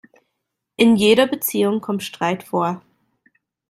In jeder Beziehung kommt Streit vor.